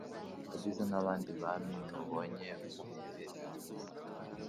Wagize nk'abandi Bami Ntubonye Muhebera